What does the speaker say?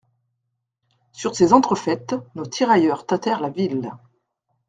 Sur ces entrefaites, nos tirailleurs tâtèrent la ville.